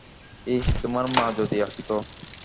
ইশ, তোমার মা যদি আসতো।